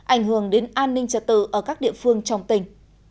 ảnh hưởng đến an ninh trật tự ở các địa phương trong tỉnh